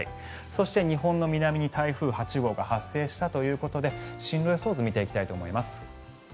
そして、日本の南に台風８号が発生したということで進路予想図を見ていきたいと思います。